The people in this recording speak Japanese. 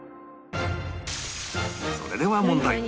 それでは問題